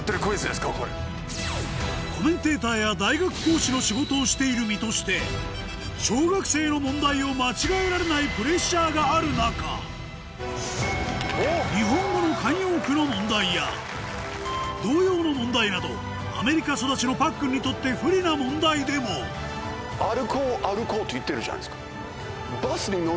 コメンテーターや大学講師の仕事をしている身として小学生の問題を間違えられないプレッシャーがある中日本語の慣用句の問題や童謡の問題などアメリカ育ちのパックンにとって不利な問題でもって言ってるじゃないですか。